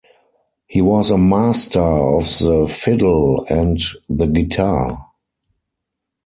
He was a master of the fiddle and the guitar.